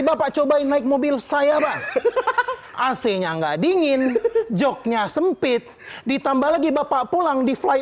bapak cobain naik mobil saya aslinya nggak dingin joknya sempit ditambah lagi bapak pulang di fly